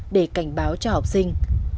để cảnh báo cho học sinh